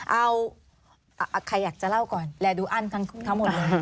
เอาใครอยากจะเล่าก่อนแลดูอั้นทั้งหมดเลย